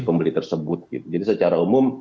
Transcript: pembeli tersebut jadi secara umum